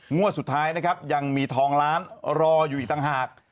งวดสุดท้ายนะครับยังมีทองล้านรออยู่อีกต่างหาก